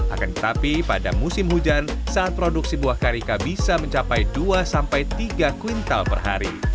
akan tetapi pada musim hujan saat produksi buah karika bisa mencapai dua sampai tiga kuintal per hari